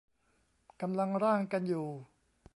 กำลังร่างกันอยู่